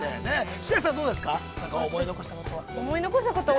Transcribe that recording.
◆白石さん、どうですか、なんか思い残したことは。